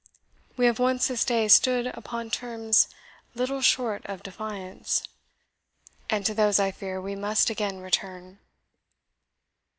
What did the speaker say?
We have once this day stood upon terms little short of defiance; and to those, I fear, we must again return."